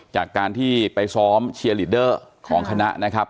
จากการที่ไปซ้อมเชียร์ลีดเดอร์ของคณะนะครับ